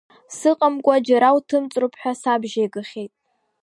Сыҟамкәа џьара уҭымҵроуп ҳәа сабжьеигахьеит.